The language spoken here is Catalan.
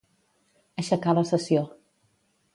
Aixecar la sessió.